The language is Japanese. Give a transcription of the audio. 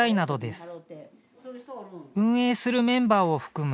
運営するメンバーを含む